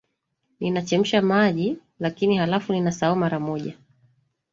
Ninachemsha maji, lakini halafu ninasahau mara moja.